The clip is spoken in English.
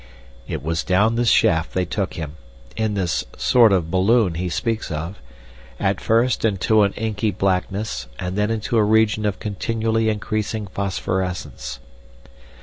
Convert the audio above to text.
It was down this shaft they took him, in this "sort of balloon" he speaks of, at first into an inky blackness and then into a region of continually increasing phosphorescence.